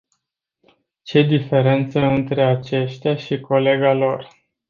Ce diferență între aceștia și colega lor.